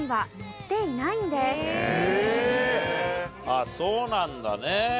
ああそうなんだね。